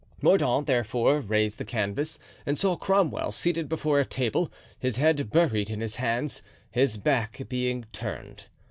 Mordaunt, therefore, raised the canvas, and saw Cromwell seated before a table, his head buried in his hands, his back being turned.